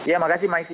ya makasih banyak